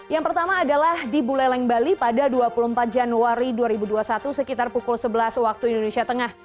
yang pertama adalah di buleleng bali pada dua puluh empat januari dua ribu dua puluh satu sekitar pukul sebelas waktu indonesia tengah